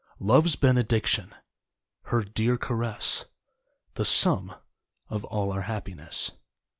Love's Benediction, Her dear caress, The sum of all our happiness.